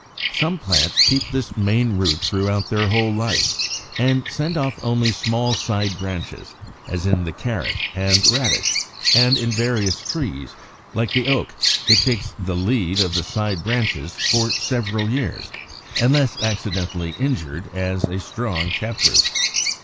Some plants keep this main root throughout their whole life, and send off only small side branches; as in the Carrot and Radish: and in various trees, like the Oak, it takes the lead of the side branches for several years, unless accidentally injured, as a strong tap root.